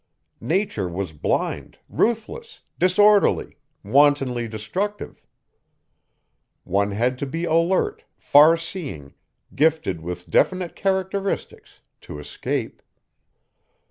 Nature was blind, ruthless, disorderly, wantonly destructive. One had to be alert, far seeing, gifted with definite characteristics, to escape.